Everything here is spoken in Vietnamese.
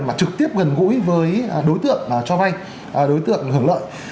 mà trực tiếp gần gũi với đối tượng cho vay đối tượng hưởng lợi